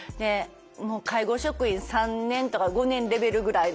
介護職員３年とか５年レベルぐらいの。